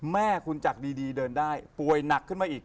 แม่คุณจากดีเดินได้ป่วยหนักขึ้นมาอีก